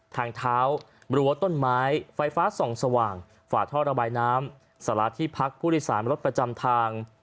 ทางเท้ารั้วต้นไม้ไฟฟ้าส่องสว่างฝาท่อระบายน้ำสาราที่พักผู้โดยสารรถประจำทาง